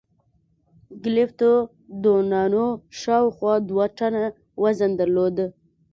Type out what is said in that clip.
ګلیپتودونانو شاوخوا دوه ټنه وزن درلود.